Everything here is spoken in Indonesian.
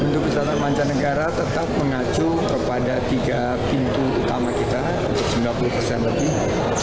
untuk wisatawan mancanegara tetap mengacu kepada tiga pintu utama kita untuk sembilan puluh persen lebih